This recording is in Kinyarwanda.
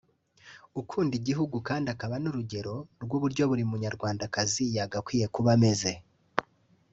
ukunda igihugu ndetse akaba n’urugero rw’uburyo buri munyarwandakazi yagakwiye kuba ameze